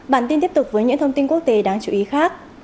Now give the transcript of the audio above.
bản tin tiếp tục với những thông tin quốc tế đáng chú ý khác